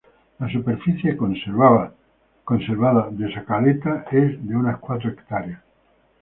La superficie conservada de Sa Caleta es de unas cuatro hectáreas.